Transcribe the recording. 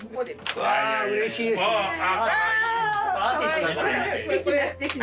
わあうれしいですね。